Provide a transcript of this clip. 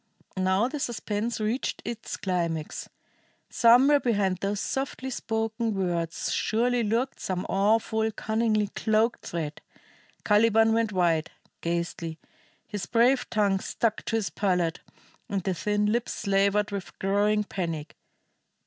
Now the suspense reached its climax. Somewhere behind those softly spoken words surely lurked some awful, cunningly cloaked threat. Caliban went white, ghastly; his brave tongue stuck to his palate, and the thin lips slavered with growing panic.